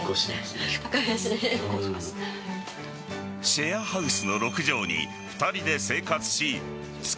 シェアハウスの６畳に２人で生活し月